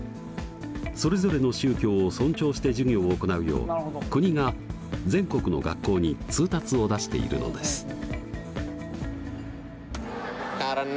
それぞれの宗教を尊重して授業を行うよう国が全国の学校に通達を出しているのです。